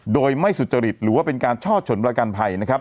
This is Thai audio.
โดยไม่สุจริตหรือว่าเป็นการชอบฉลนประกันภัย